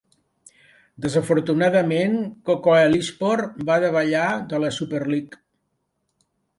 Desafortunadament, Kocaelispor va davallar de la Superlig.